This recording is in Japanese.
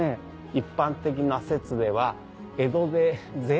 一般的な説では江戸で。